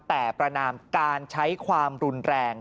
แต่ประนามการใช้ความรุนแรง